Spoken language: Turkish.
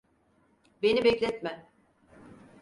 Beni bekletme.